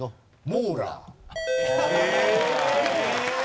モーラー。